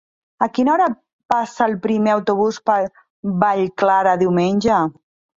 A quina hora passa el primer autobús per Vallclara diumenge?